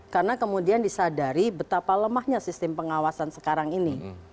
karena kemudian disadari betapa lemahnya sistem pengawasan sekarang ini